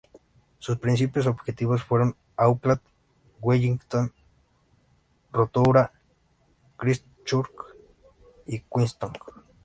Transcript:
Sus principales objetivos fueron Auckland, Wellington, Rotorua, Christchurch y Queenstown.